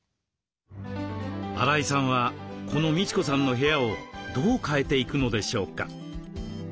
荒井さんはこのみち子さんの部屋をどう変えていくのでしょうか。